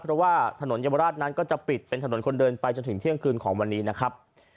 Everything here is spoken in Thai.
เพราะว่าถนนเยาวราชนั้นก็จะปิดเป็นถนนคนเดินไปจนถึงเที่ยงคืนของวันนี้นะครับ